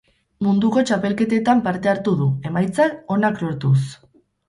Munduko txapelketetan parte hartu du, emaitza onak lortuz.